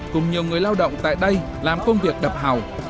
tự động tại đây làm công việc đập hào